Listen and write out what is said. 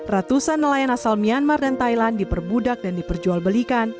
ratusan nelayan asal myanmar dan thailand diperbudak dan diperjualbelikan